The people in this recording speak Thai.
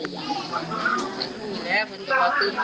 อยากให้สังคมรับรู้ด้วย